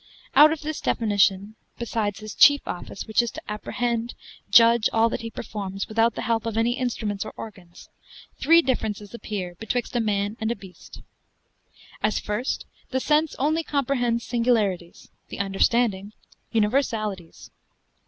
Out of this definition (besides his chief office, which is to apprehend, judge all that he performs, without the help of any instruments or organs) three differences appear betwixt a man and a beast. As first, the sense only comprehends singularities, the understanding universalities.